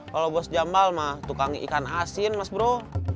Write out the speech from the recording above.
kalau bos jamal mah tukang ikan asin mas bro